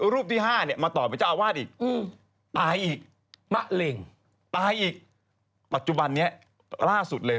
รูปที่๕เนี่ยมาต่อเป็นเจ้าอาวาสอีกตายอีกมะเหล่งตายอีกปัจจุบันนี้ล่าสุดเลย